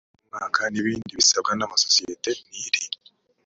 ry umwaka n ibindi bisabwa amasosiyete n iri